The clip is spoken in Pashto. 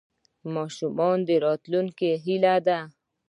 ماشومان د راتلونکي هیله ده.